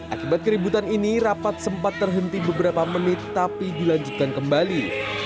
akibat keributan ini rapat sempat terhenti beberapa menit tapi dilanjutkan kembali